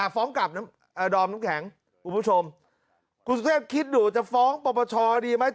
อ่าฟ้องกลับน้ำอ่าดอมน้ำแข็งคุณผู้ชมคุณสุทธิบดูจะฟ้องประประชอดีไหม